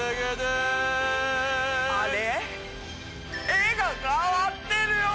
絵が変わってるよ！